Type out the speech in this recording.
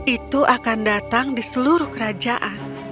itu akan datang di seluruh kerajaan